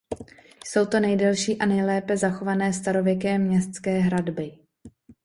Jsou to nejdelší a nejlépe zachované starověké městské hradby.